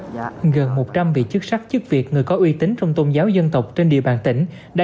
gần một trăm linh vị chức sắc chức việc người có uy tín trong tôn giáo dân tộc trên địa bàn tỉnh đã